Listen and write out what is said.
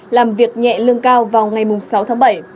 làm việc nhẹ lương cao vào ngày sáu tháng bảy